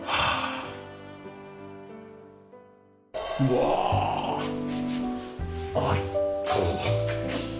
うわ圧倒的。